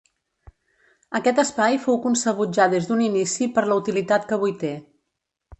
Aquest espai fou concebut ja des d'un inici per la utilitat que avui té.